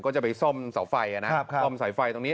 ก็จะไปซ่อมเส่ไฟอ่ะนะ